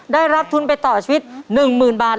ได้รับทุนไปต่อชีวิต๑๐๐๐บาท